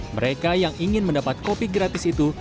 mereka yang ingin mendapat kopi gratis itu